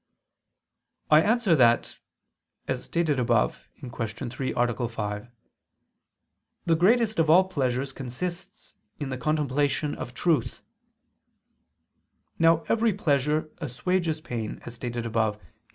I answer that, As stated above (Q. 3, A. 5), the greatest of all pleasures consists in the contemplation of truth. Now every pleasure assuages pain as stated above (A.